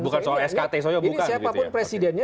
bukan skt ini siapapun presidennya